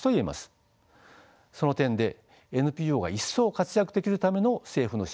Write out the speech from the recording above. その点でＮＰＯが一層活躍できるための政府の支援が必要と言えます。